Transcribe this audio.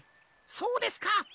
そうですか。